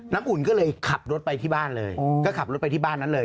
อุ่นก็เลยขับรถไปที่บ้านเลยก็ขับรถไปที่บ้านนั้นเลย